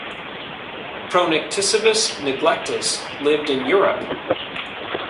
"Pronycticebus neglectus" lived in Europe.